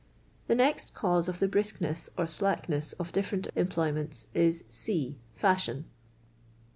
The next cause of the briskness or slackness of diflfereut employments is — C. Fashion.